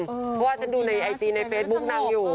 เพราะว่าฉันดูในไอจีในเฟซบุ๊กนางอยู่